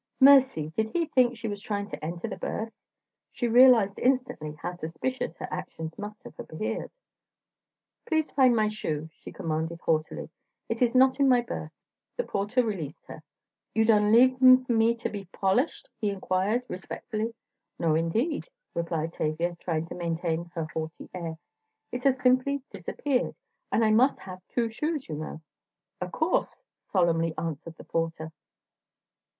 Mercy! did he think she was trying to enter the berth? She realized, instantly, how suspicious her actions must have appeared. "Please find my shoe!" she commanded, haughtily, "it is not in my berth." The porter released her. "Yo' done leave 'em fo' me to be polished?" he inquired, respectfully. "No, indeed," replied Tavia, trying to maintain her haughty air, "it has simply disappeared, and I must have two shoes, you know." "O' course," solemnly answered the porter.